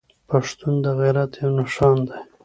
پښتون د غيرت يو نښان دی.